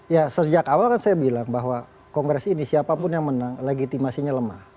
ya sejak awal kan saya bilang bahwa kongres ini siapapun yang menang legitimasinya lemah